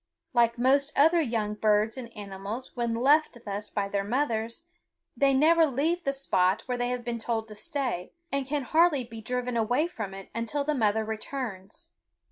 Like most other young birds and animals when left thus by their mothers, they never leave the spot where they have been told to stay, and can hardly be driven away from it until the mother returns.